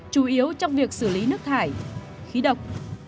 chủ yếu trong việc xử lý nước thải khí độc